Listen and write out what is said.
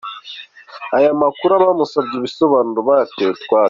Aya makuru abamusabye ibisobanuro bayateye utwatsi.